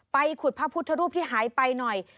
ไปขุดพระพุทธรูปที่หายไปหน่อย